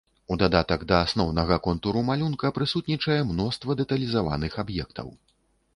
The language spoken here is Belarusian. У дадатак да асноўнага контуру малюнка, прысутнічае мноства дэталізаваных аб'ектаў.